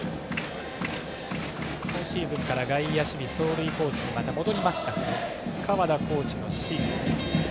今シーズンから外野守備走塁コーチにまた戻りました河田コーチの指示。